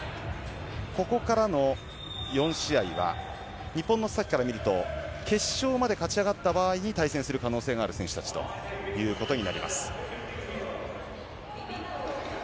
ここからの４試合は日本の須崎から見ると決勝まで勝ち上がった場合に対戦をする可能性がある選手となっています。